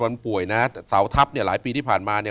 วันป่วยนะเสาทัพเนี่ยหลายปีที่ผ่านมาเนี่ย